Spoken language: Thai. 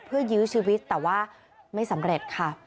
เพื่อยื้อชีวิตแต่ว่าไม่สำเร็จค่ะ